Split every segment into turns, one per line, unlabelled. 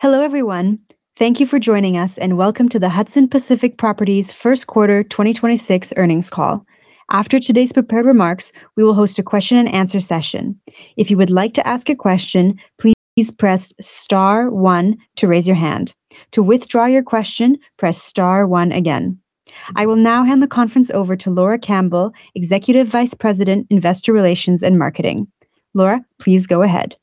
Hello, everyone. Thank you for joining us, and welcome to the Hudson Pacific Properties First Quarter 2026 Earnings Call. After today's prepared remarks, we will host a question and answer session. I will now hand the conference over to Laura Campbell, Executive Vice President, Investor Relations and Marketing. Laura, please go ahead.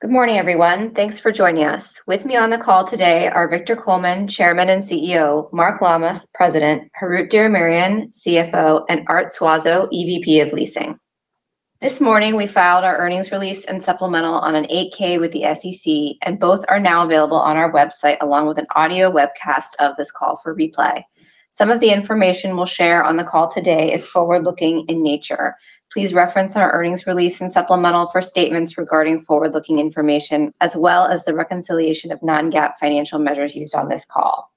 Good morning, everyone. Thanks for joining us. With me on the call today are Victor Coleman, Chairman and Chief Executive Officer; Mark Lammas, President; Harout Diramerian, Chief Financial Officer; and Art Suazo, Executive Vice President of Leasing. This morning, we filed our earnings release and supplemental on an 8-K with the SEC. Both are now available on our website along with an audio webcast of this call for replay. Some of the information we'll share on the call today is forward-looking in nature. Please reference our earnings release and supplemental for statements regarding forward-looking information, as well as the reconciliation of non-GAAP financial measures used on this call.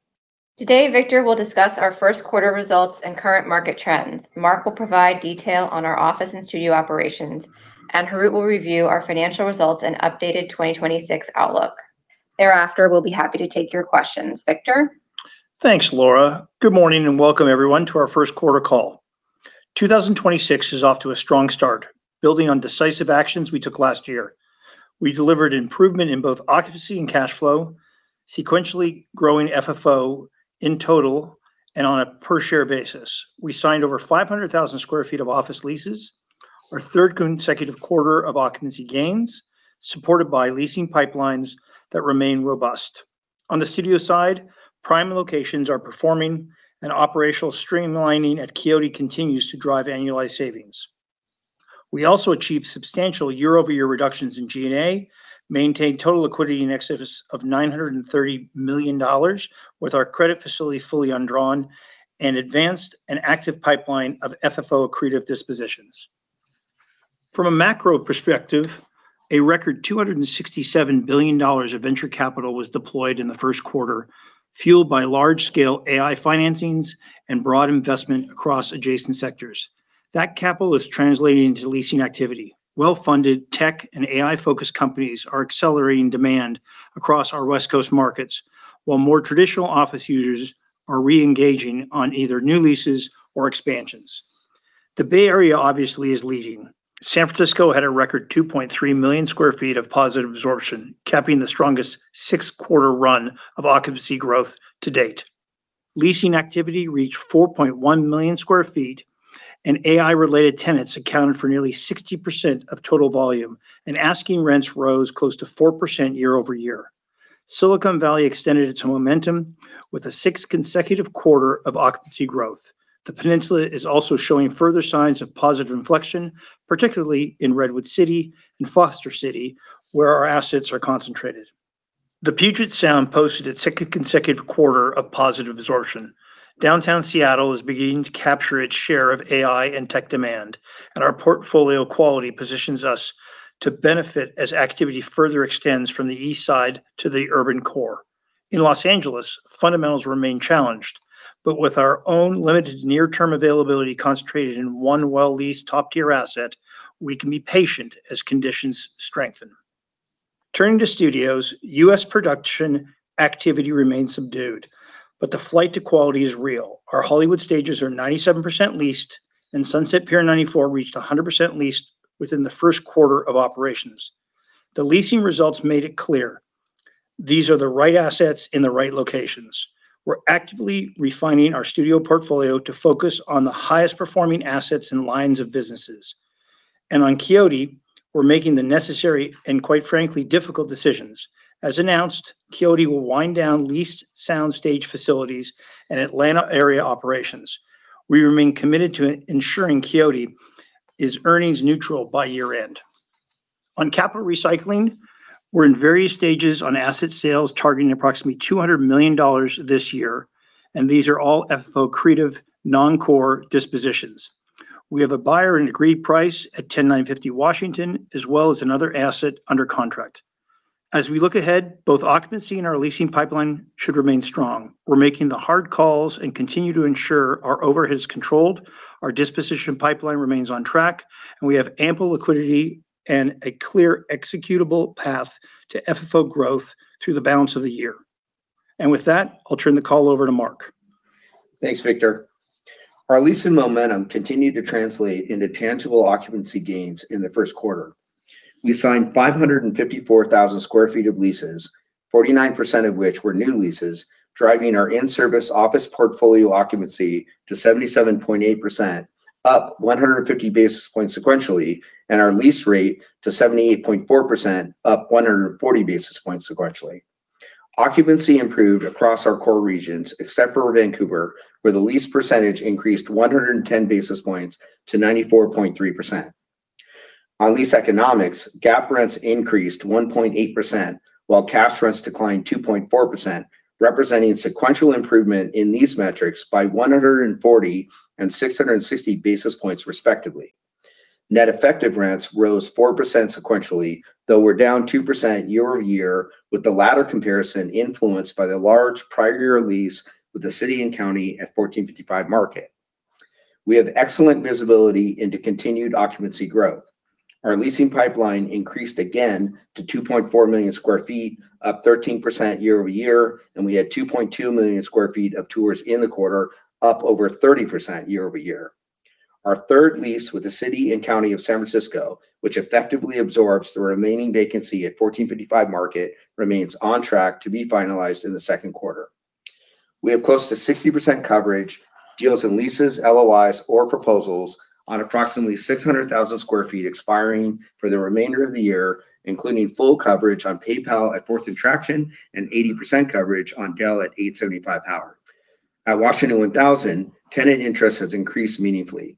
Today, Victor will discuss our first quarter results and current market trends. Mark will provide detail on our office and studio operations. Harout will review our financial results and updated 2026 outlook. Thereafter, we'll be happy to take your questions. Victor?
Thanks, Laura. Good morning and welcome everyone to our first quarter call. 2026 is off to a strong start, building on decisive actions we took last year. We delivered improvement in both occupancy and cash flow, sequentially growing FFO in total and on a per share basis. We signed over 500,000 sq ft of office leases, our third consecutive quarter of occupancy gains, supported by leasing pipelines that remain robust. On the studio side, prime locations are performing, and operational streamlining at Quixote continues to drive annualized savings. We also achieved substantial year-over-year reductions in G&A, maintained total liquidity in excess of $930 million with our credit facility fully undrawn, and advanced an active pipeline of FFO accretive dispositions. From a macro perspective, a record $267 billion of venture capital was deployed in the first quarter, fueled by large-scale AI financings and broad investment across adjacent sectors. That capital is translating into leasing activity. Well-funded tech and AI-focused companies are accelerating demand across our West Coast markets, while more traditional office users are reengaging on either new leases or expansions. The Bay Area obviously is leading. San Francisco had a record 2.3 million sq ft of positive absorption, capping the strongest six-quarter run of occupancy growth to date. Leasing activity reached 4.1 million sq ft, and AI-related tenants accounted for nearly 60% of total volume, and asking rents rose close to 4% year-over-year. Silicon Valley extended its momentum with a sixth consecutive quarter of occupancy growth. The peninsula is also showing further signs of positive inflection, particularly in Redwood City and Foster City, where our assets are concentrated. The Puget Sound posted its second consecutive quarter of positive absorption. Downtown Seattle is beginning to capture its share of AI and tech demand. Our portfolio quality positions us to benefit as activity further extends from the east side to the urban core. In Los Angeles, fundamentals remain challenged, with our own limited near-term availability concentrated in one well-leased top-tier asset, we can be patient as conditions strengthen. Turning to studios, U.S. production activity remains subdued. The flight to quality is real. Our Hollywood stages are 97% leased. Sunset Pier 94 reached 100% leased within the first quarter of operations. The leasing results made it clear. These are the right assets in the right locations. We're actively refining our studio portfolio to focus on the highest performing assets and lines of businesses. On Quixote, we're making the necessary and, quite frankly, difficult decisions. As announced, Quixote will wind down leased soundstage facilities and Atlanta area operations. We remain committed to ensuring Quixote is earnings neutral by year end. On capital recycling, we're in various stages on asset sales targeting approximately $200 million this year, and these are all FFO accretive non-core dispositions. We have a buyer and agreed price at 10950 Washington, as well as another asset under contract. We look ahead, both occupancy and our leasing pipeline should remain strong. We're making the hard calls and continue to ensure our overhead's controlled, our disposition pipeline remains on track, and we have ample liquidity and a clear executable path to FFO growth through the balance of the year. With that, I'll turn the call over to Mark.
Thanks, Victor. Our leasing momentum continued to translate into tangible occupancy gains in the first quarter. We signed 554,000 sq ft of leases, 49% of which were new leases, driving our in-service office portfolio occupancy to 77.8%, up 150 basis points sequentially, and our lease rate to 78.4%, up 140 basis points sequentially. Occupancy improved across our core regions, except for Vancouver, where the lease percentage increased 110 basis points to 94.3%. On lease economics, GAAP rents increased 1.8%, while cash rents declined 2.4%, representing sequential improvement in these metrics by 140 and 660 basis points respectively. Net effective rents rose 4% sequentially, though were down 2% year-over-year, with the latter comparison influenced by the large prior year lease with the City and County at 1455 Market. We have excellent visibility into continued occupancy growth. Our leasing pipeline increased again to 2.4 million sq ft, up 13% year-over-year, and we had 2.2 million sq ft of tours in the quarter, up over 30% year-over-year. Our third lease with the City and County of San Francisco, which effectively absorbs the remaining vacancy at 1455 Market, remains on track to be finalized in the second quarter. We have close to 60% coverage, deals and leases, LOIs or proposals on approximately 600,000 sq ft expiring for the remainder of the year, including full coverage on PayPal at Fourth and Traction, and 80% coverage on Dell at 875 Howard. At Washington 1000, tenant interest has increased meaningfully.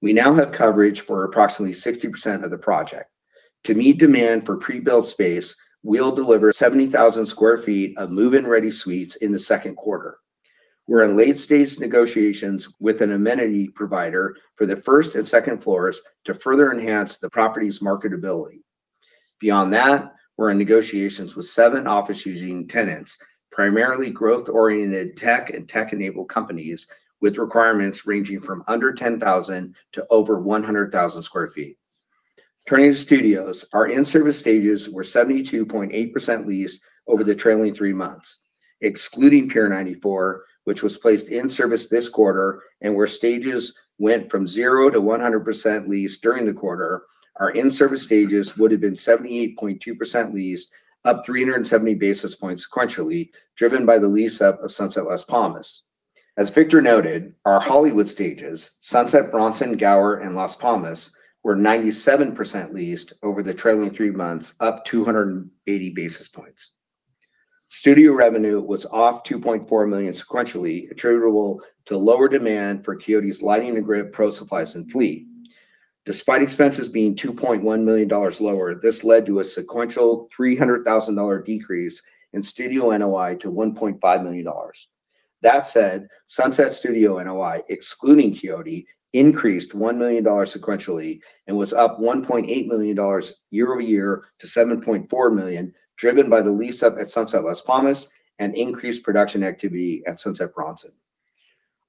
We now have coverage for approximately 60% of the project. To meet demand for pre-built space, we'll deliver 70,000 sq ft of move-in ready suites in the second quarter. We're in late stage negotiations with an amenity provider for the first and second floors to further enhance the property's marketability. Beyond that, we're in negotiations with seven office using tenants, primarily growth-oriented tech and tech-enabled companies with requirements ranging from under 10,000 sq ft to over 100,000 sq ft. Turning to studios, our in-service stages were 72.8 leased over the trailing three months. Excluding Pier 94, which was placed in service this quarter and where stages went from 0% to 100% leased during the quarter, our in-service stages would have been 78.2 leased, up 370 basis points sequentially, driven by the lease up of Sunset Las Palmas. As Victor noted, our Hollywood stages, Sunset Bronson, Gower, and Las Palmas, were 97% leased over the trailing three months, up 280 basis points. Studio revenue was off $2.4 million sequentially, attributable to lower demand for Quixote's lighting and grip, pro supplies and fleet. Despite expenses being $2.1 million lower, this led to a sequential $300,000 decrease in studio NOI to $1.5 million. That said, Sunset Studio NOI, excluding Quixote, increased $1 million sequentially and was up $1.8 million year-over-year to $7.4 million, driven by the lease up at Sunset Las Palmas and increased production activity at Sunset Bronson.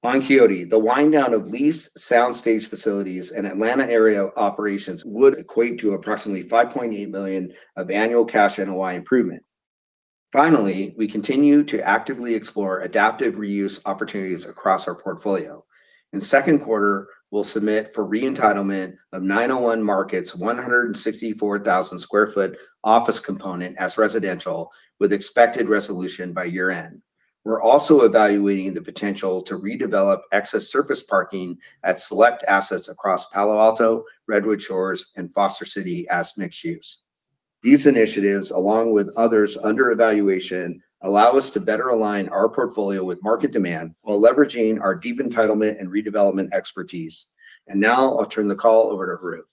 On Quixote, the wind down of leased soundstage facilities and Atlanta area operations would equate to approximately $5.8 million of annual cash NOI improvement. Finally, we continue to actively explore adaptive reuse opportunities across our portfolio. In second quarter, we'll submit for re-entitlement of 901 Market's 164,000 sq ft office component as residential, with expected resolution by year-end. We're also evaluating the potential to redevelop excess surface parking at select assets across Palo Alto, Redwood Shores, and Foster City as mixed use. These initiatives, along with others under evaluation, allow us to better align our portfolio with market demand while leveraging our deep entitlement and redevelopment expertise. Now I'll turn the call over to Harout.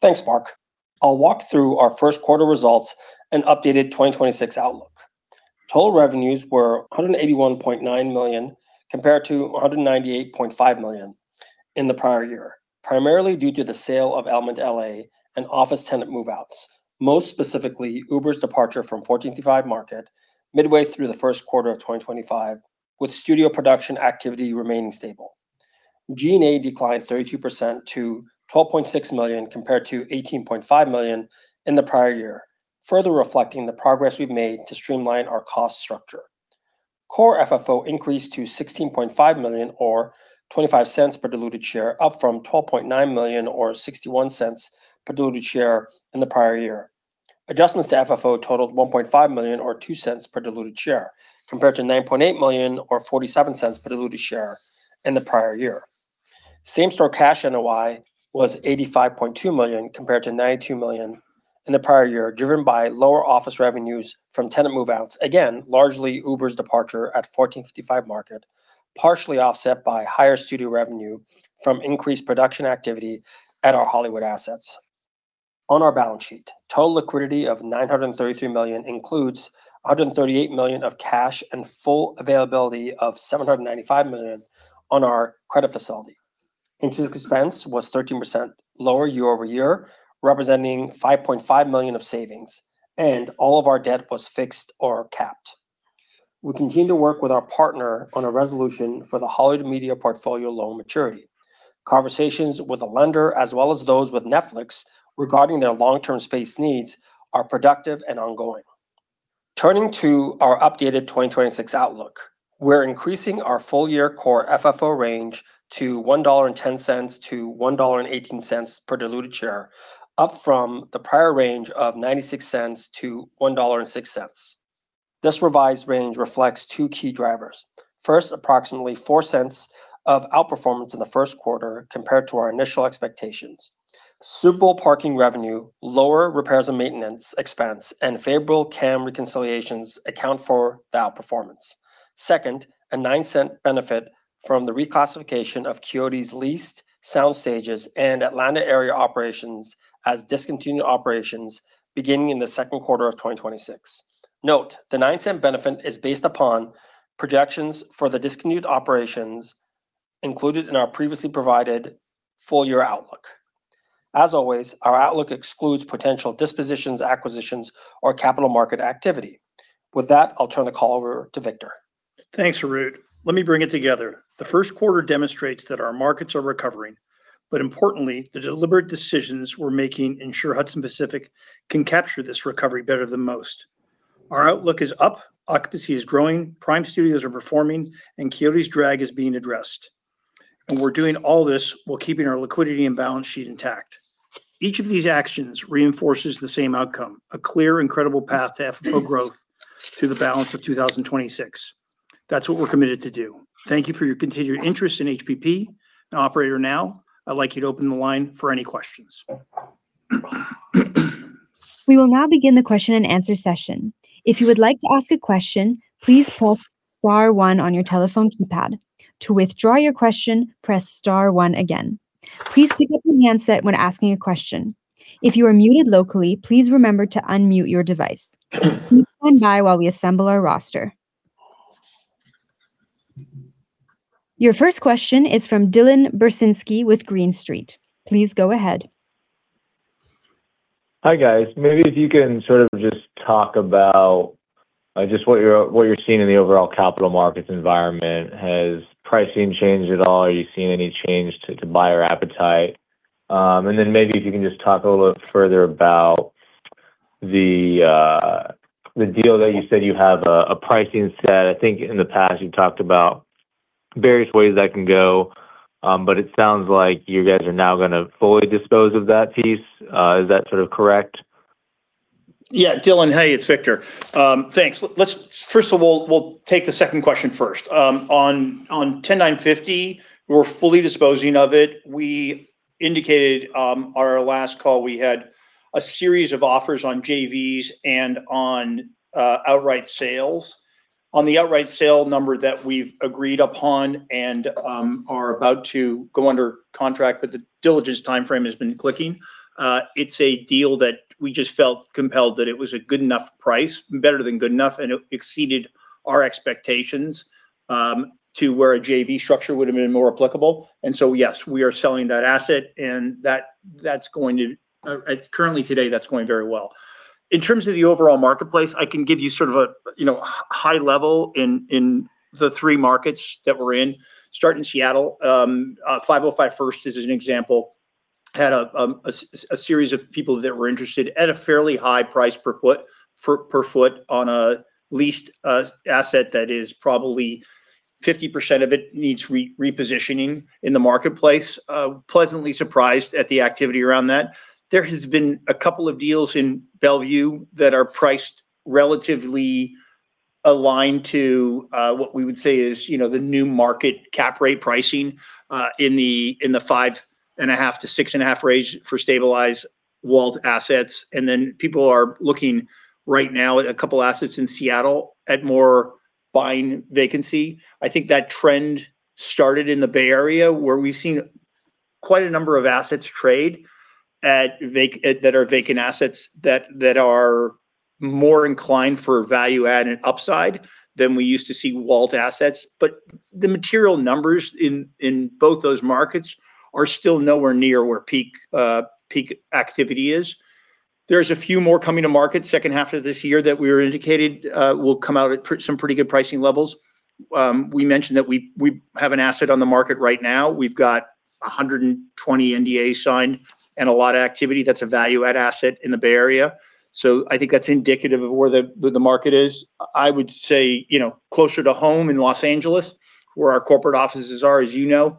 Thanks, Mark. I'll walk through our first quarter results and updated 2026 outlook. Total revenues were $181.9 million, compared to $198.5 million in the prior year, primarily due to the sale of Element L.A. and office tenant move-outs. Most specifically, Uber's departure from 1455 Market midway through the first quarter of 2025, with studio production activity remaining stable. G&A declined 32% to $12.6 million compared to $18.5 million in the prior year, further reflecting the progress we've made to streamline our cost structure. Core FFO increased to $16.5 million or $0.25 per diluted share, up from $12.9 million or $0.61 per diluted share in the prior year. Adjustments to FFO totaled $1.5 million or $0.02 per diluted share, compared to $9.8 million or $0.47 per diluted share in the prior year. Same store cash NOI was $85.2 million compared to $92 million in the prior year, driven by lower office revenues from tenant move-outs, again, largely Uber's departure at 1455 Market, partially offset by higher studio revenue from increased production activity at our Hollywood assets. On our balance sheet, total liquidity of $933 million includes $138 million of cash and full availability of $795 million on our credit facility. Interest expense was 13% lower year-over-year, representing $5.5 million of savings. All of our debt was fixed or capped. We continue to work with our partner on a resolution for the Hollywood Media portfolio loan maturity. Conversations with the lender, as well as those with Netflix regarding their long-term space needs, are productive and ongoing. Turning to our updated 2026 outlook, we're increasing our full year Core FFO range to $1.10-$1.18 per diluted share, up from the prior range of $0.96-$1.06. This revised range reflects two key drivers. First, approximately $0.04 of outperformance in the first quarter compared to our initial expectations. Super Bowl parking revenue, lower repairs and maintenance expense, and favorable CAM reconciliations account for the outperformance. Second, a $0.09 benefit from the reclassification of Quixote's leased soundstages and Atlanta area operations as discontinued operations beginning in the second quarter of 2026. Note, the $0.09 benefit is based upon projections for the discontinued operations included in our previously provided full year outlook. As always, our outlook excludes potential dispositions, acquisitions, or capital market activity. With that, I'll turn the call over to Victor.
Thanks, Harout. Let me bring it together. The first quarter demonstrates that our markets are recovering. Importantly, the deliberate decisions we're making ensure Hudson Pacific can capture this recovery better than most. Our outlook is up, occupancy is growing, Prime Studios are performing, and Quixote's drag is being addressed. We're doing all this while keeping our liquidity and balance sheet intact. Each of these actions reinforces the same outcome, a clear and credible path to FFO growth through the balance of 2026. That's what we're committed to do. Thank you for your continued interest in HPP. Operator, I'd like you to open the line for any questions.
Your first question is from Dylan Burzinski with Green Street. Please go ahead.
Hi, guys. Maybe if you can sort of just talk about what you're seeing in the overall capital markets environment. Has pricing changed at all? Are you seeing any change to buyer appetite? Maybe if you can just talk a little further about the deal that you said you have a pricing set. I think in the past you talked about various ways that can go, it sounds like you guys are now gonna fully dispose of that piece. Is that sort of correct?
Yeah, Dylan. Hey, it's Victor. Thanks. Let's first of all, we'll take the second question first. On 10950, we're fully disposing of it. We indicated, our last call, we had a series of offers on JVs and on outright sales. On the outright sale number that we've agreed upon and are about to go under contract, but the diligence timeframe has been clicking. It's a deal that we just felt compelled that it was a good enough price, better than good enough, and it exceeded our expectations to where a JV structure would've been more applicable. Yes, we are selling that asset and currently today, that's going very well. In terms of the overall marketplace, I can give you sort of a, you know, high level in the three markets that we're in. Starting in Seattle, 505 First, as an example, had a series of people that were interested at a fairly high price per foot, per foot on a leased asset that is probably 50% of it needs repositioning in the marketplace. Pleasantly surprised at the activity around that. There has been a couple of deals in Bellevue that are priced relatively aligned to what we would say is, you know, the new market cap rate pricing in the 5.5%-6.5% range for stabilized walled assets. People are looking right now at a couple assets in Seattle at more buying vacancy. I think that trend started in the Bay Area, where we've seen quite a number of assets trade at vacant assets that are more inclined for value-add and upside than we used to see walled assets. The material numbers in both those markets are still nowhere near where peak activity is. There's a few more coming to market second half of this year that we were indicated will come out at some pretty good pricing levels. We mentioned that we have an asset on the market right now. We've got 120 NDAs signed and a lot of activity that's a value-add asset in the Bay Area. I think that's indicative of where the market is. I would say, you know, closer to home in Los Angeles, where our corporate offices are, as you know,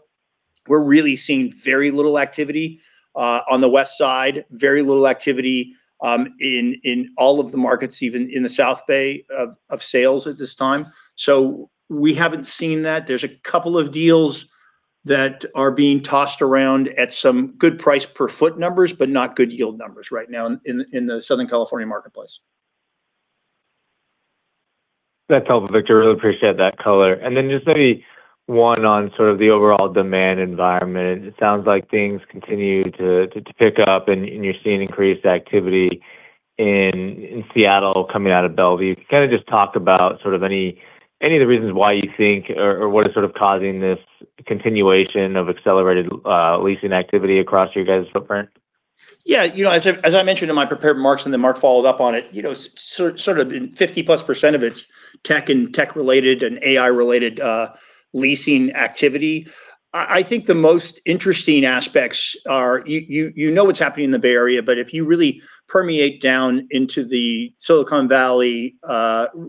we're really seeing very little activity on the West Side, very little activity in all of the markets, even in the South Bay, of sales at this time. We haven't seen that. There's a couple of deals that are being tossed around at some good price per foot numbers, but not good yield numbers right now in the Southern California marketplace.
That's helpful, Victor. Really appreciate that color. Then just maybe one on sort of the overall demand environment. It sounds like things continue to pick up and you're seeing increased activity in Seattle coming out of Bellevue. Can you kind of just talk about sort of any of the reasons why you think or what is sort of causing this continuation of accelerated leasing activity across your guys' footprint?
Yeah, you know, as I mentioned in my prepared remarks, and then Mark followed up on it, you know, sort of 50%+of it's tech and tech related and AI related leasing activity. I think the most interesting aspects are you know what's happening in the Bay Area, but if you really permeate down into the Silicon Valley,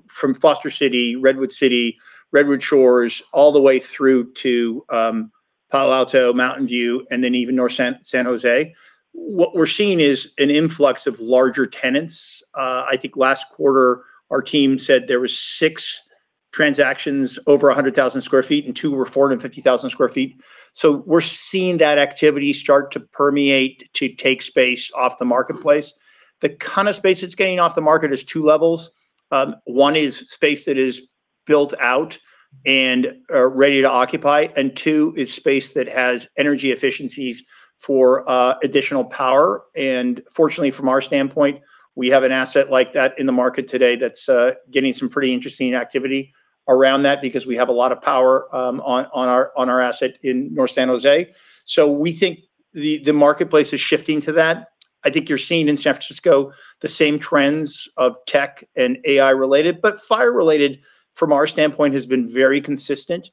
from Foster City, Redwood City, Redwood Shores, all the way through to Palo Alto, Mountain View, and then even North San Jose, what we're seeing is an influx of larger tenants. I think last quarter our team said there was six transactions over 100,000 sq ft and two over 450,000 sq ft. We're seeing that activity start to permeate to take space off the marketplace. The kind of space that's getting off the market is two levels. One is space that is built out and ready to occupy, two is space that has energy efficiencies for additional power. Fortunately, from our standpoint, we have an asset like that in the market today that's getting some pretty interesting activity around that because we have a lot of power on our asset in North San Jose. We think the marketplace is shifting to that. I think you're seeing in San Francisco the same trends of tech and AI related. Fire related, from our standpoint, has been very consistent.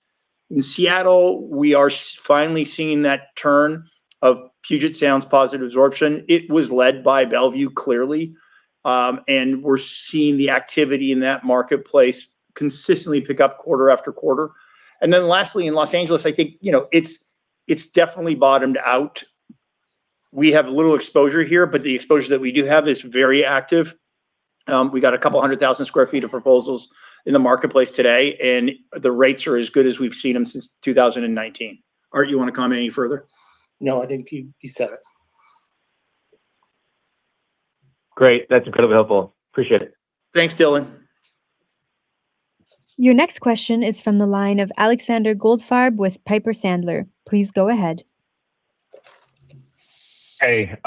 In Seattle, we are finally seeing that turn of Puget Sound's positive absorption. It was led by Bellevue, clearly. We're seeing the activity in that marketplace consistently pick up quarter-after-quarter. Lastly, in Los Angeles, I think, you know, it's definitely bottomed out. We have little exposure here, but the exposure that we do have is very active. We got a couple 100,000 sq ft of proposals in the marketplace today, and the rates are as good as we've seen them since 2019. Art, you wanna comment any further?
No, I think you said it.
Great. That's incredibly helpful. Appreciate it.
Thanks, Dylan.
Your next question is from the line of Alexander Goldfarb with Piper Sandler. Please go ahead.
Hey.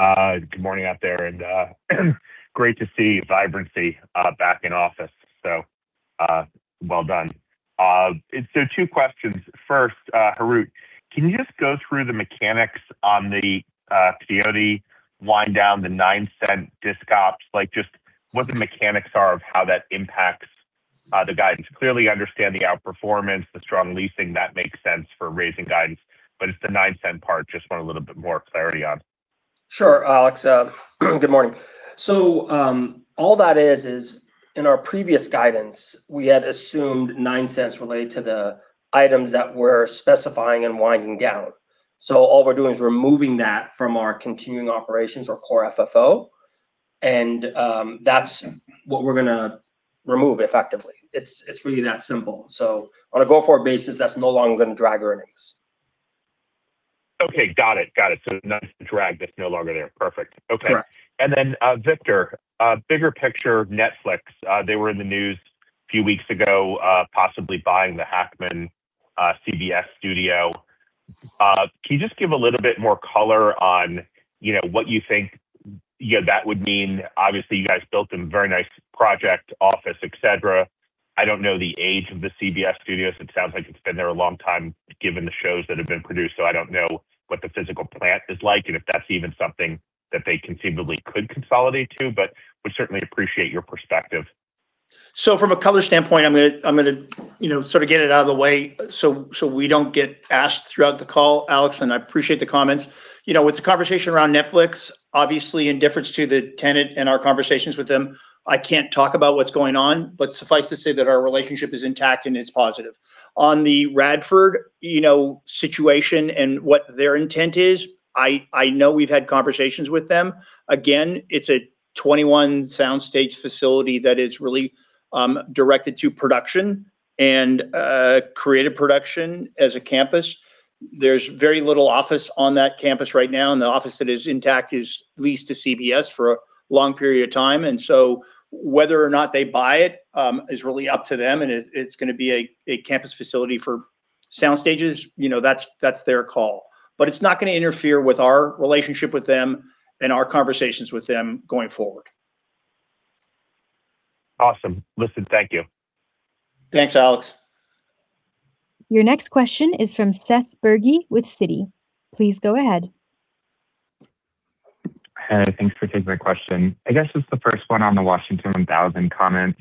Good morning out there, great to see vibrancy back in office. Well done. Two questions. First, Harout, can you just go through the mechanics on the Quixote wind down, the $0.09 disc ops, just what the mechanics are of how that impacts the guidance? Clearly understand the outperformance, the strong leasing, that makes sense for raising guidance, but it's the $0.09 part just want a little bit more clarity on.
Sure, Alex. Good morning. All that is in our previous guidance, we had assumed $0.09 related to the items that we're specifying and winding down. All we're doing is we're moving that from our continuing operations or Core FFO, that's what we're gonna remove effectively. It's really that simple. On a go forward basis, that's no longer gonna drag our earnings.
Okay. Got it. Got it. Not a drag that's no longer there. Perfect. Okay.
Correct.
Victor, bigger picture Netflix. They were in the news a few weeks ago, possibly buying the Hackman, CBS Studio. Can you just give a little bit more color on, you know, what you think, you know, that would mean. Obviously, you guys built a very nice project office, et cetera. I don't know the age of the CBS Studios. It sounds like it's been there a long time given the shows that have been produced. I don't know what the physical plant is like, and if that's even something that they conceivably could consolidate to. Would certainly appreciate your perspective.
From a color standpoint, I'm gonna, you know, sort of get it out of the way so we don't get asked throughout the call, Alexander Goldfarb, and I appreciate the comments. You know, with the conversation around Netflix, obviously in deference to the tenant and our conversations with them, I can't talk about what's going on. Suffice to say that our relationship is intact, and it's positive. On the Radford, you know, situation and what their intent is, I know we've had conversations with them. Again, it's a 21 sound stage facility that is really directed to production and creative production as a campus. There's very little office on that campus right now, and the office that is intact is leased to CBS for a long period of time. Whether or not they buy it, is really up to them, and it's gonna be a campus facility for sound stages. You know, that's their call. It's not gonna interfere with our relationship with them and our conversations with them going forward.
Awesome. Listen, thank you.
Thanks, Alex.
Your next question is from Seth Bergey with Citi. Please go ahead.
Hey, thanks for taking my question. I guess just the first one on the Washington 1000 comment.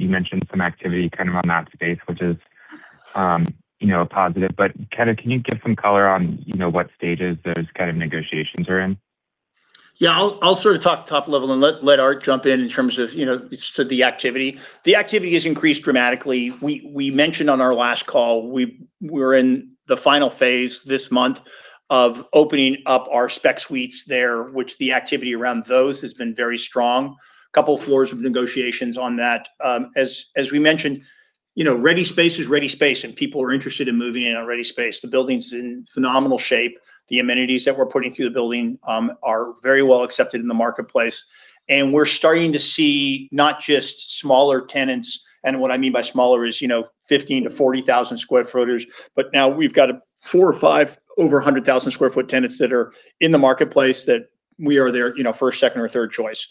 You mentioned some activity kind of on that space, which is, you know, positive. Kind of can you give some color on, you know, what stages those kind of negotiations are in?
Yeah, I'll sort of talk top level and let Art jump in in terms of, you know, sort of the activity. The activity has increased dramatically. We mentioned on our last call, we're in the final phase this month of opening up our spec suites there, which the activity around those has been very strong. Couple floors of negotiations on that. As we mentioned, you know, ready space is ready space, and people are interested in moving in a ready space. The building's in phenomenal shape. The amenities that we're putting through the building are very well accepted in the marketplace. We're starting to see not just smaller tenants, and what I mean by smaller is, you know, 15,000 to 40,000 square footers. Now we've got a four or five over 100,000 sq ft tenants that are in the marketplace that we are their, you know, first, second, or third choice.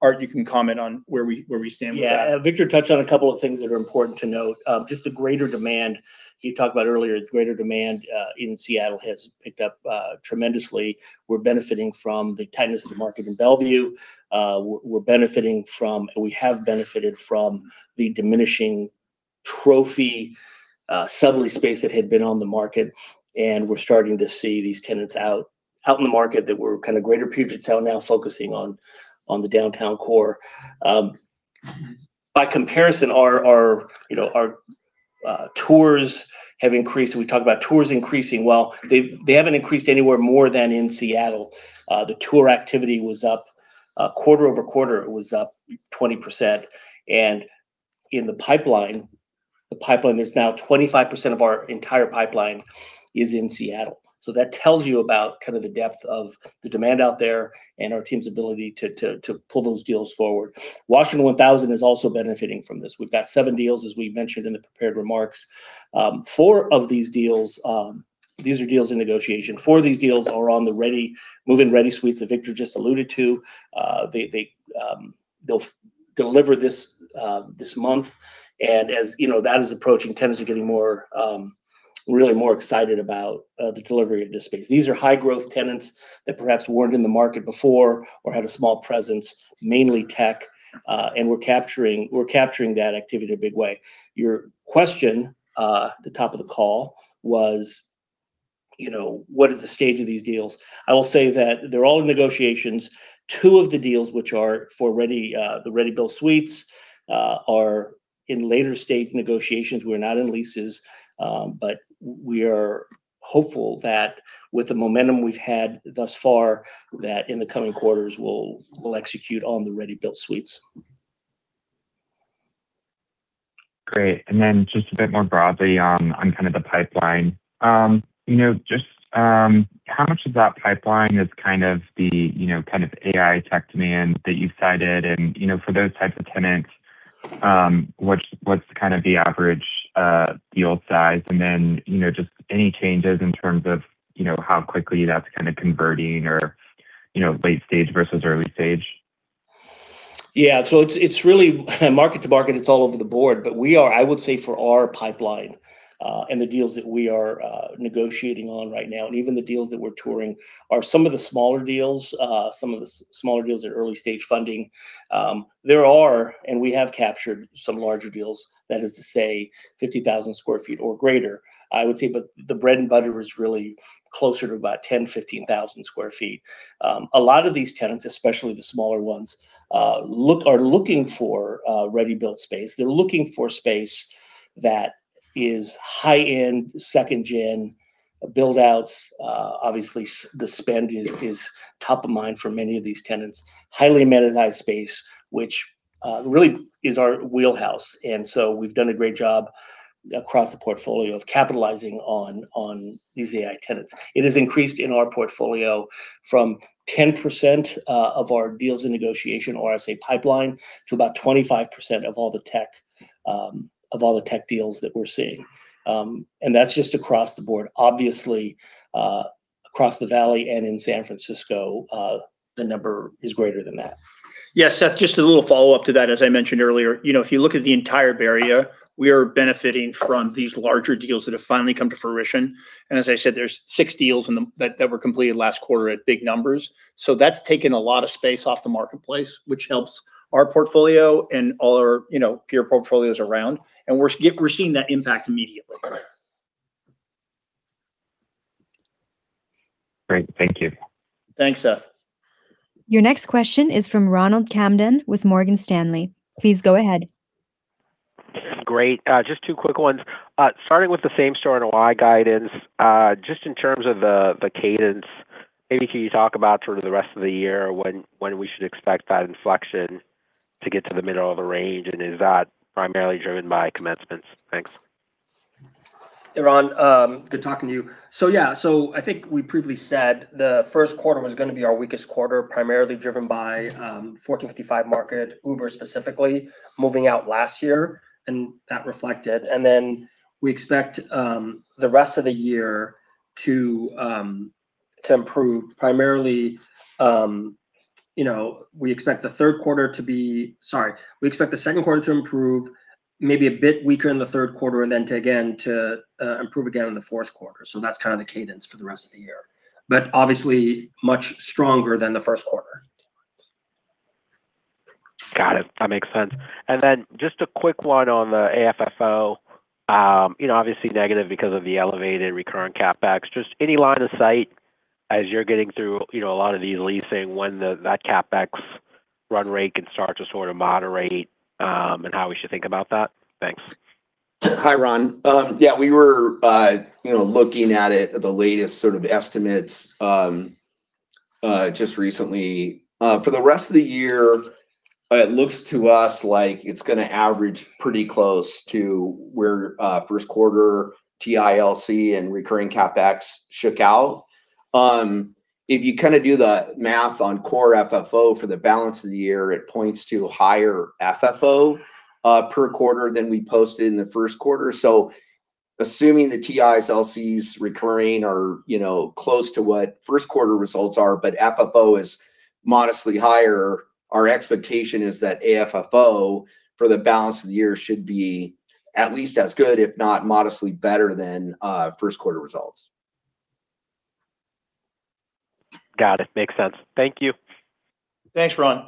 Art, you can comment on where we stand with that.
Yeah. Victor touched on a couple of things that are important to note. Just the greater demand. He talked about earlier, the greater demand in Seattle has picked up tremendously. We're benefiting from the tightness of the market in Bellevue. We're benefiting from, and we have benefited from the diminishing trophy sublease space that had been on the market. We're starting to see these tenants out in the market that were kind of greater Puget Sound now focusing on the downtown core. By comparison, our, you know, our tours have increased. We talked about tours increasing. Well, they haven't increased anywhere more than in Seattle. The tour activity was up quarter-over-quarter, it was up 20%. In the pipeline, the pipeline is now 25% of our entire pipeline is in Seattle. That tells you about kind of the depth of the demand out there and our team's ability to pull those deals forward. Washington 1000 is also benefiting from this. We've got seven deals, as we mentioned in the prepared remarks. Four of these deals, these are deals in negotiation. Four of these deals are on the ready, move-in-ready suites that Victor just alluded to. Deliver this this month. As you know, that is approaching, tenants are getting more, really more excited about the delivery of this space. These are high growth tenants that perhaps weren't in the market before or had a small presence, mainly tech. We're capturing that activity in a big way. Your question, the top of the call was, you know, what is the stage of these deals? I will say that they're all in negotiations. Two of the deals which are for ready, the ready-built suites, are in later stage negotiations. We're not in leases. We are hopeful that with the momentum we've had thus far, that in the coming quarters, we'll execute on the ready-built suites.
Great. Just a bit more broadly on kind of the pipeline. You know, just how much of that pipeline is kind of the, you know, kind of AI tech demand that you've cited and, you know, for those types of tenants, what's kind of the average deal size? You know, just any changes in terms of, you know, how quickly that's kind of converting or, you know, late stage versus early stage.
Yeah. It's really market to market, it's all over the board. We are, I would say, for our pipeline, and the deals that we are negotiating on right now, and even the deals that we're touring, are some of the smaller deals, some of the smaller deals are early stage funding. There are, we have captured some larger deals, that is to say 50,000 sq ft or greater, I would say. The bread and butter is really closer to about 10,000-15,000 sq ft. A lot of these tenants, especially the smaller ones, are looking for ready build space. They're looking for space that is high-end, second gen build outs. Obviously the spend is top of mind for many of these tenants. Highly amenitized space, which really is our wheelhouse. We've done a great job across the portfolio of capitalizing on these AI tenants. It has increased in our portfolio from 10% of our deals in negotiation or as a pipeline, to about 25% of all the tech deals that we're seeing. That's just across the board. Obviously, across the valley and in San Francisco, the number is greater than that.
Yeah, Seth, just a little follow up to that. As I mentioned earlier, you know, if you look at the entire Bay Area, we are benefiting from these larger deals that have finally come to fruition. As I said, there's six deals that were completed last quarter at big numbers. That's taken a lot of space off the marketplace, which helps our portfolio and all our, you know, peer portfolios around. We're seeing that impact immediately.
Great. Thank you.
Thanks, Seth.
Your next question is from Ronald Kamdem with Morgan Stanley. Please go ahead.
Great. Just two quick ones. Starting with the same store NOI guidance, just in terms of the cadence, maybe can you talk about sort of the rest of the year, when we should expect that inflection to get to the middle of the range? Is that primarily driven by commencements? Thanks.
Hey, Ronald. Good talking to you. I think we previously said the first quarter was gonna be our weakest quarter, primarily driven by 1455 Market, Uber specifically moving out last year, and that reflected. We expect the rest of the year to improve primarily, you know, we expect the third quarter to be. Sorry. We expect the second quarter to improve, maybe a bit weaker in the third quarter, and then to again, improve again in the fourth quarter. That's kind of the cadence for the rest of the year. Obviously much stronger than the first quarter.
Got it. That makes sense. Just a quick one on the AFFO. You know, obviously negative because of the elevated recurring CapEx. Just any line of sight as you're getting through, you know, a lot of these leasing, when that CapEx run rate can start to sort of moderate, and how we should think about that. Thanks.
Hi, Ron. Yeah, we were, you know, looking at it at the latest sort of estimates just recently. For the rest of the year, it looks to us like it's gonna average pretty close to where first quarter TI, LC, and recurring CapEx shook out. If you kind of do the math on Core FFO for the balance of the year, it points to higher FFO per quarter than we posted in the first quarter. Assuming the TIs, LCs recurring are, you know, close to what first quarter results are, but FFO is modestly higher, our expectation is that AFFO for the balance of the year should be at least as good, if not modestly better than first quarter results.
Got it. Makes sense. Thank you.
Thanks, Ron.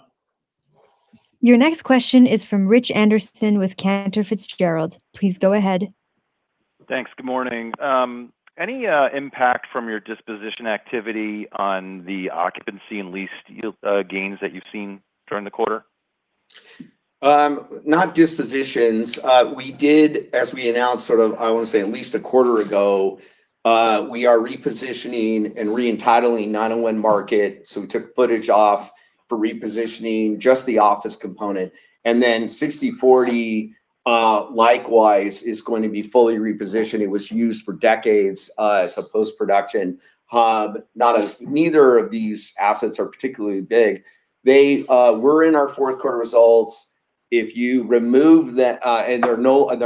Your next question is from Richard Anderson with Cantor Fitzgerald. Please go ahead.
Thanks. Good morning. Any impact from your disposition activity on the occupancy and lease gains that you've seen during the quarter?
Not dispositions. We did, as we announced sort of, I wanna say at least a quarter ago, we are repositioning and re-entitling 901 Market. We took footage off for repositioning just the office component. 6040 likewise is going to be fully repositioned. It was used for decades as a post-production hub. Neither of these assets are particularly big. They were in our fourth quarter results. If you remove the, and they're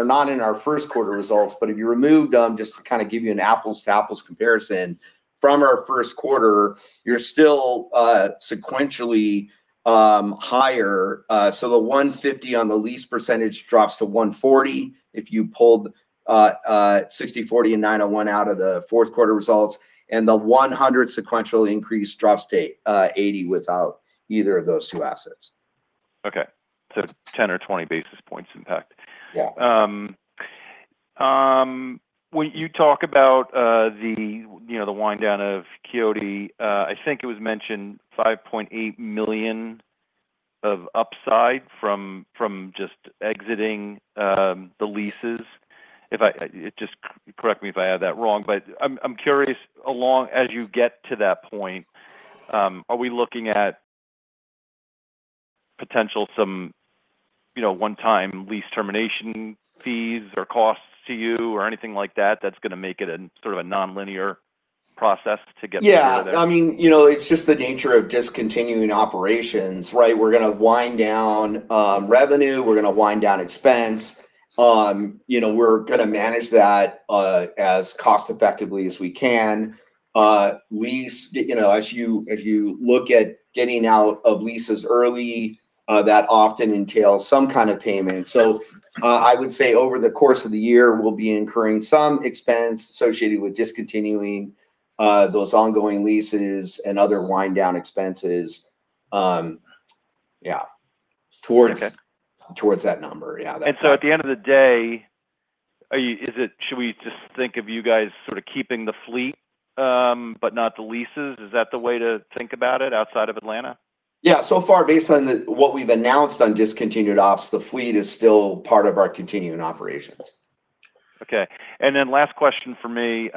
not in our first quarter results, but if you removed them, just to kind of give you an apples to apples comparison, from our first quarter, you're still sequentially higher. The 150% on the lease percentage drops to 140% if you pulled 6040 and 901 out of the fourth quarter results. The 100% sequential increase drops to 80% without either of those two assets.
Okay. 10 or 20 basis points impact.
Yeah.
When you talk about, you know, the wind down of Quixote. I think it was mentioned $5.8 million of upside from just exiting the leases. If I just correct me if I have that wrong. I'm curious, along as you get to that point, are we looking at potential some, you know, one-time lease termination fees or costs to you or anything like that's gonna make it a sort of a nonlinear process to get through this?
Yeah. I mean, you know, it's just the nature of discontinuing operations, right? We're gonna wind down revenue. We're gonna wind down expense. You know, we're gonna manage that as cost effectively as we can. Lease, you know, as you look at getting out of leases early, that often entails some kind of payment. I would say over the course of the year, we'll be incurring some expense associated with discontinuing those ongoing leases and other wind down expenses. Yeah.
Okay.
Towards that number. Yeah, that number.
At the end of the day, should we just think of you guys sort of keeping the fleet, but not the leases? Is that the way to think about it outside of Atlanta?
Yeah. So far, based on the, what we've announced on discontinued ops, the fleet is still part of our continuing operations.
Okay. Last question from me.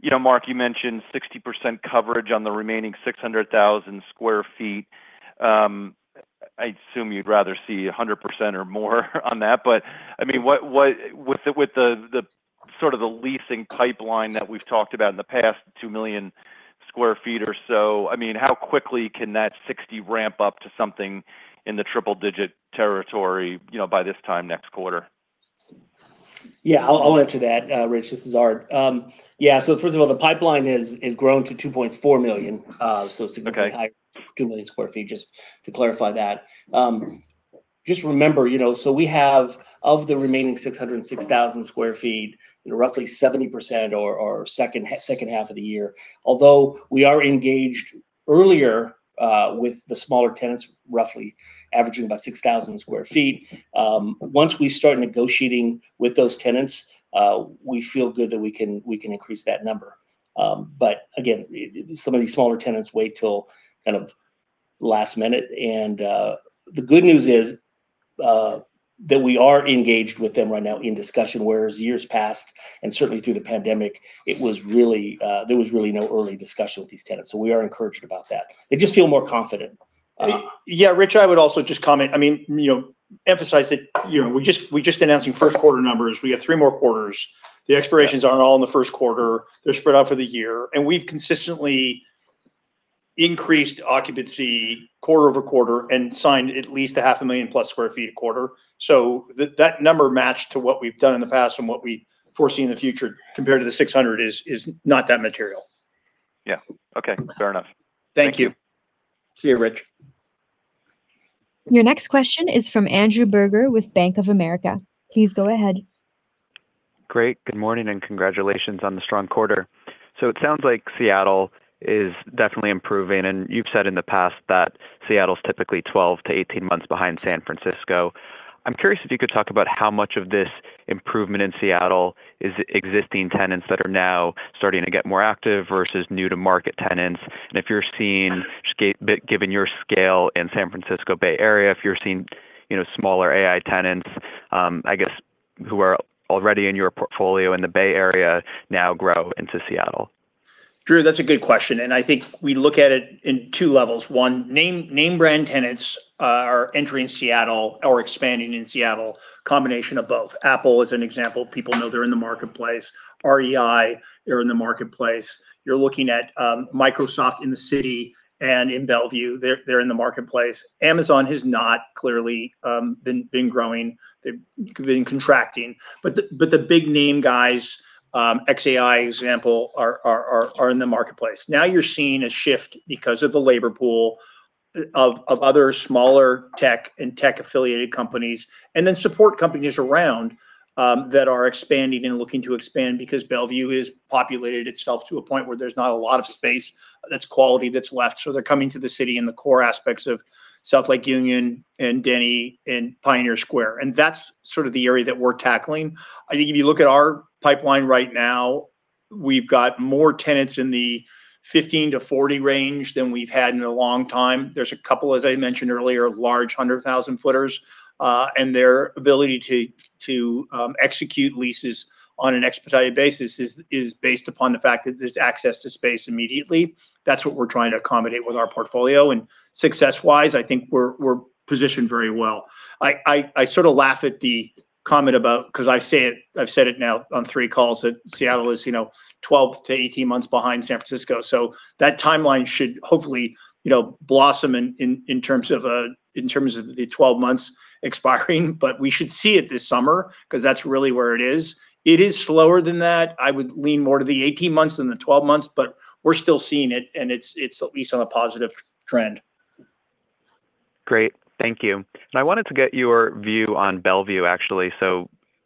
you know, Mark, you mentioned 60% coverage on the remaining 600,000 sq ft. I assume you'd rather see 100% or more on that. I mean, with the sort of the leasing pipeline that we've talked about in the past, 2 million sq ft or so. I mean, how quickly can that 60 ramp up to something in the triple digit territory, you know, by this time next quarter?
Yeah, I'll answer that, Rich. This is Art. Yeah. First of all, the pipeline has grown to $2.4 million.
Okay.
Higher, 2 million sq ft, just to clarify that. Just remember, you know, so we have of the remaining 606,000 sq ft, you know, roughly 70% are second half of the year. Although we are engaged earlier with the smaller tenants, roughly averaging about 6,000 sq ft. Once we start negotiating with those tenants, we feel good that we can increase that number. Again, some of these smaller tenants wait till kind of last minute. The good news is that we are engaged with them right now in discussion. Whereas years past, and certainly through the pandemic, it was really there was really no early discussion with these tenants. We are encouraged about that. They just feel more confident.
Yeah, Rich, I would also just comment. I mean, you know, emphasize that, you know, we just announcing first quarter numbers. We have three more quarters. The expirations aren't all in the first quarter. They're spread out for the year. We've consistently increased occupancy quarter-over-quarter, and signed at least half a million plus square feet a quarter. That number matched to what we've done in the past from what we foresee in the future compared to the 600 is not that material.
Yeah. Okay. Fair enough.
Thank you.
Thank you.
See you, Rich.
Your next question is from Andrew Berger with Bank of America. Please go ahead.
Great. Good morning and congratulations on the strong quarter. It sounds like Seattle is definitely improving, and you've said in the past that Seattle's typically 12-18 months behind San Francisco. I'm curious if you could talk about how much of this improvement in Seattle is existing tenants that are now starting to get more active versus new to market tenants. If you're seeing, given your scale in San Francisco Bay Area, if you're seeing, you know, smaller AI tenants, I guess, who are already in your portfolio in the Bay Area now grow into Seattle.
Drew, that's a good question. I think we look at it in two levels. One, name brand tenants are entering Seattle or expanding in Seattle. Combination of both. Apple is an example. People know they're in the marketplace. REI, they're in the marketplace. You're looking at Microsoft in the city and in Bellevue, they're in the marketplace. Amazon has not clearly been growing. They've been contracting. The big name guys, xAI example, are in the marketplace. Now you're seeing a shift because of the labor pool of other smaller tech and tech affiliated companies, and then support companies around that are expanding and looking to expand because Bellevue has populated itself to a point where there's not a lot of space that's quality that's left. They're coming to the city in the core aspects of South Lake Union and Denny and Pioneer Square. That's sort of the area that we're tackling. I think if you look at our pipeline right now, we've got more tenants in the 15-40 range than we've had in a long time. There's a couple, as I mentioned earlier, large 100,000 footers. Their ability to execute leases on an expedited basis is based upon the fact that there's access to space immediately. That's what we're trying to accommodate with our portfolio. Success wise, I think we're positioned very well. I sort of laugh at the comment about 'Cause I say it, I've said it now on three calls that Seattle is, you know, 12-18 months behind San Francisco. That timeline should hopefully, you know, blossom in terms of the 12 months expiring. We should see it this summer, 'cause that's really where it is. It is slower than that. I would lean more to the 18 months than the 12 months, but we're still seeing it and it's at least on a positive trend.
Great. Thank you. I wanted to get your view on Bellevue, actually.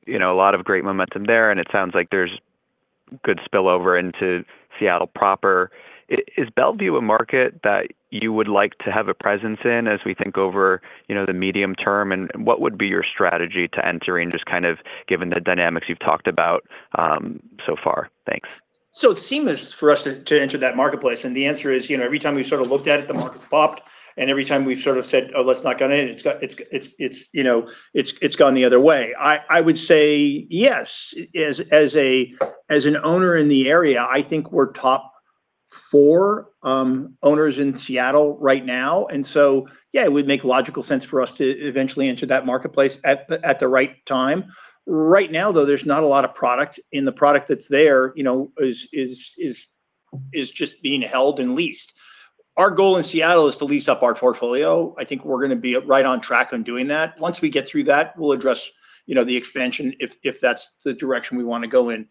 You know, a lot of great momentum there, and it sounds like Could spill over into Seattle proper. Is Bellevue a market that you would like to have a presence in as we think over, you know, the medium term, and what would be your strategy to enter in, just kind of given the dynamics you've talked about, so far? Thanks.
It's seamless for us to enter that marketplace, and the answer is, you know, every time we've sort of looked at it, the market's popped. Every time we've sort of said, "Oh, let's not go in it," it's, you know, it's gone the other way. I would say yes. As an owner in the area, I think we're top four owners in Seattle right now. Yeah, it would make logical sense for us to eventually enter that marketplace at the right time. Right now though, there's not a lot of product, and the product that's there, you know, is just being held and leased. Our goal in Seattle is to lease up our portfolio. I think we're gonna be right on track on doing that. Once we get through that, we'll address, you know, the expansion if that's the direction we want to go in.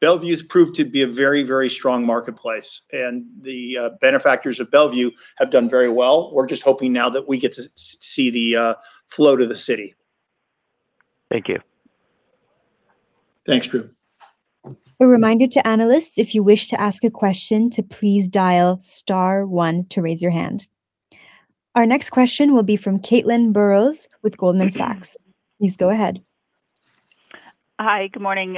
Bellevue's proved to be a very strong marketplace. The benefactors of Bellevue have done very well. We're just hoping now that we get to see the flow to the city.
Thank you.
Thanks, Drew.
A reminder to analysts, if you wish to ask a question, to please dial star one to raise your hand. Our next question will be from Caitlin Burrows with Goldman Sachs. Please go ahead.
Hi. Good morning.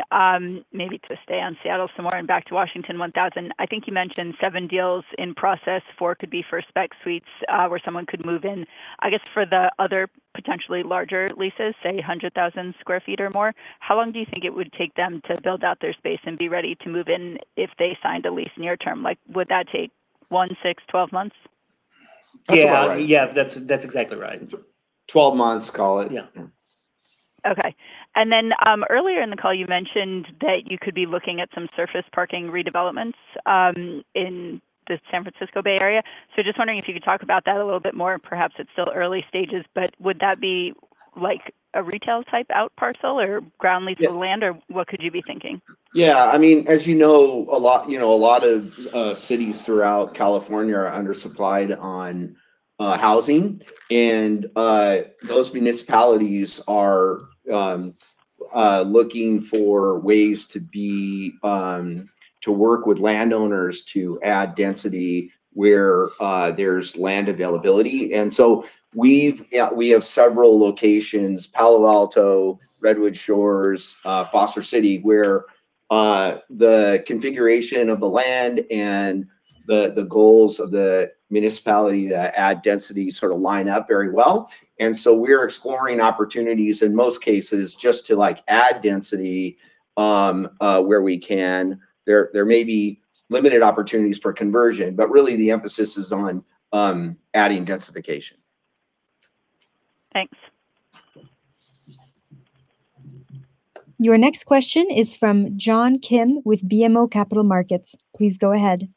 Maybe to stay on Seattle some more and back to Washington 1000. I think you mentioned seven deals in process, four could be for spec suites, where someone could move in. I guess for the other potentially larger leases, say 100,000 sq ft or more, how long do you think it would take them to build out their space and be ready to move in if they signed a lease near term? Like, would that take one, six, 12 months?
Yeah.
That's about right.
Yeah. That's exactly right.
12 months, call it.
Yeah.
Yeah.
Okay. Earlier in the call you mentioned that you could be looking at some surface parking redevelopments in the San Francisco Bay Area. Just wondering if you could talk about that a little bit more. Perhaps it's still early stages, but would that be like a retail type outparcel or ground lease?
Yeah.
What could you be thinking?
Yeah. I mean, as you know, a lot of cities throughout California are undersupplied on housing. Those municipalities are looking for ways to be to work with landowners to add density where there's land availability. We've, yeah, we have several locations, Palo Alto, Redwood Shores, Foster City, where the configuration of the land and the goals of the municipality to add density sort of line up very well. We're exploring opportunities in most cases just to, like, add density where we can. There may be limited opportunities for conversion, but really the emphasis is on adding densification.
Thanks.
Your next question is from John Kim with BMO Capital Markets. Please go ahead.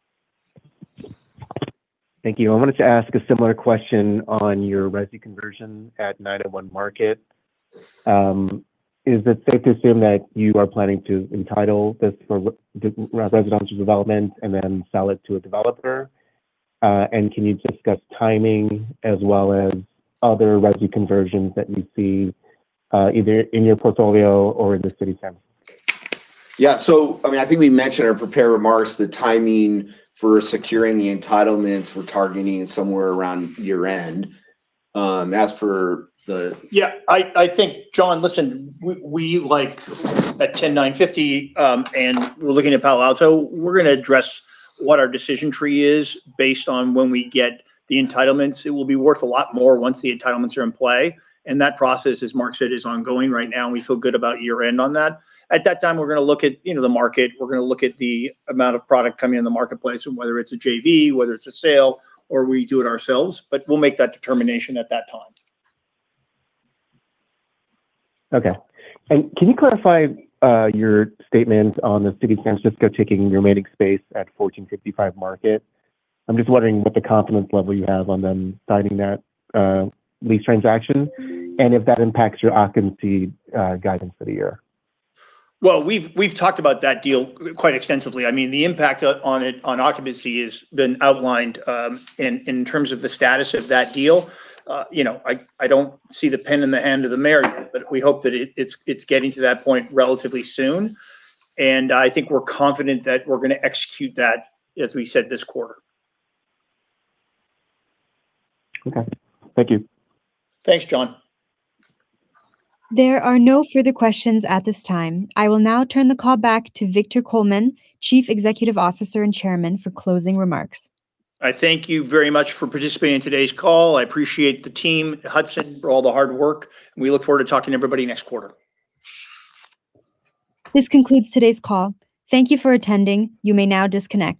Thank you. I wanted to ask a similar question on your resi conversion at 901 Market. Is it safe to assume that you are planning to entitle this for residential development and then sell it to a developer? Can you discuss timing as well as other resi conversions that you see either in your portfolio or in the City of San Francisco?
Yeah. I mean, I think we mentioned in our prepared remarks the timing for securing the entitlements. We're targeting it somewhere around year-end.
Yeah. I think, John, listen, we like that 10950. We're looking at Palo Alto. We're gonna address what our decision tree is based on when we get the entitlements. It will be worth a lot more once the entitlements are in play. That process, as Mark said, is ongoing right now, and we feel good about year-end on that. At that time, we're gonna look at, you know, the market. We're gonna look at the amount of product coming in the marketplace, and whether it's a JV, whether it's a sale, or we do it ourselves. We'll make that determination at that time.
Okay. Can you clarify your statement on the City of San Francisco taking remaining space at 1455 Market? I'm just wondering what the confidence level you have on them signing that lease transaction, and if that impacts your occupancy guidance for the year.
Well, we've talked about that deal quite extensively. I mean, the impact on it, on occupancy has been outlined in terms of the status of that deal. you know, I don't see the pen in the hand of the mayor yet, but we hope that it's getting to that point relatively soon. I think we're confident that we're gonna execute that, as we said, this quarter.
Okay. Thank you.
Thanks, John.
There are no further questions at this time. I will now turn the call back to Victor Coleman, Chief Executive Officer and Chairman, for closing remarks.
I thank you very much for participating in today's call. I appreciate the team at Hudson for all the hard work. We look forward to talking to everybody next quarter.
This concludes today's call. Thank you for attending. You may now disconnect.